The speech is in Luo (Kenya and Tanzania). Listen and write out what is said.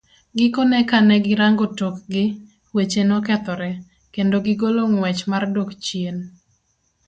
Gikone kane girango tok gi, weche nokethore, kendo gigolo ng'wech mar dok chien.